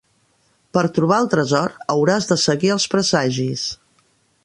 Per trobar el tresor, hauràs de seguir els presagis.